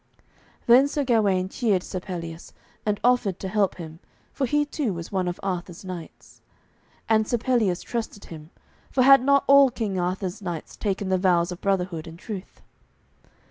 Then Sir Gawaine cheered Sir Pelleas and offered to help him, for he too was one of Arthur's knights. And Sir Pelleas trusted him, for had not all King Arthur's knights taken the vows of brotherhood and truth?